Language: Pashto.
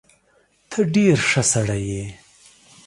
ته ډیر ښه سړی یې